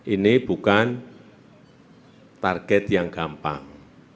ini bukan target yang gampang